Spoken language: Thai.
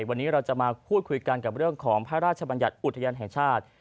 วันนี้เราจะมาพูดคุยกันกับเรื่องของพระราชบัญญัติอุทยานแห่งชาติ